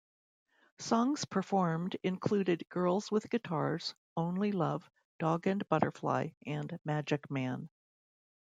Songs performed included "Girls With Guitars," "Only Love," "Dog and Butterfly" and "Magic Man.